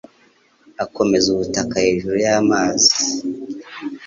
akomeza ubutaka hejuru y’amazi